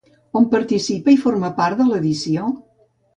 On participa i forma part de l'edició?